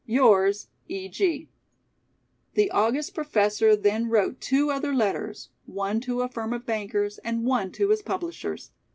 "Yours, E. G." The august Professor then wrote two other letters; one to a firm of bankers and one to his publishers.